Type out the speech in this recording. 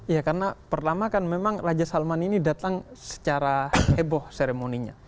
ya karena pertama kan memang raja salman ini datang secara heboh seremoninya